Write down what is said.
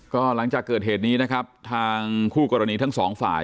ก็หลังจากเกิดเหตุนี้นะครับทางคู่กรณีทั้งสองฝ่าย